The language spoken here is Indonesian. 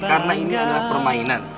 karena ini adalah permainan